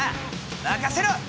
任せろ！